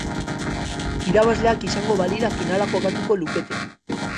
Irabazleak izango balira finala jokatuko lukete.